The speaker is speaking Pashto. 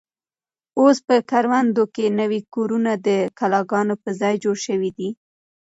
اوس په کروندو کې نوي کورونه د کلاګانو په ځای جوړ شوي دي.